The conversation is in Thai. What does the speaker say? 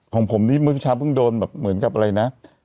ของผมนี่เมื่อเช้าเพิ่งโดนแบบเหมือนกับอะไรนะ